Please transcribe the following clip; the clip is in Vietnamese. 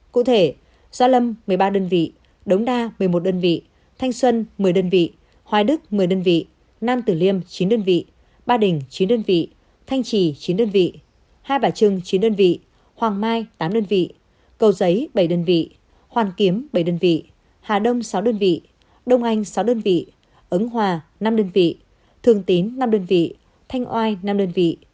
cụ thể gia lâm một mươi ba đơn vị đống đa một mươi một đơn vị thanh xuân một mươi đơn vị hoài đức một mươi đơn vị nam tử liêm chín đơn vị ba đình chín đơn vị thanh trì chín đơn vị hai bà trưng chín đơn vị hoàng mai tám đơn vị cầu giấy bảy đơn vị hoàn kiếm bảy đơn vị hà đông sáu đơn vị đông anh sáu đơn vị ấn hòa năm đơn vị thường tín năm đơn vị thanh oai năm đơn vị